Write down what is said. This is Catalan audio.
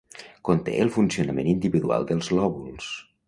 Conté el funcionament individual dels lòbuls.